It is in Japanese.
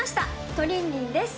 トリンリンです